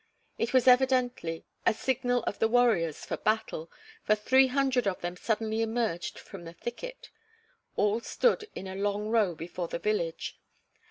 It was evidently a signal of the warriors for battle, for three hundred of them suddenly emerged from the thicket. All stood in a long row before the village.